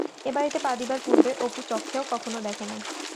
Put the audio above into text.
এ বাড়িতে পা দিবার পূর্বে অপু চক্ষেও কখনও দেখে নাই।